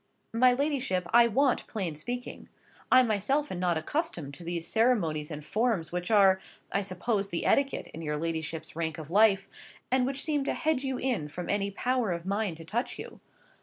"My Lady, I want plain speaking. I myself am not accustomed to those ceremonies and forms which are, I suppose, the etiquette in your ladyship's rank of life, and which seem to hedge you in from any power of mine to touch you.